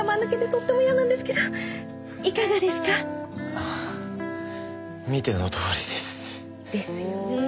ああ見てのとおりです。ですよね。